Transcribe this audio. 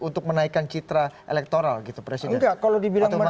untuk menaikkan citra elektoral gitu presiden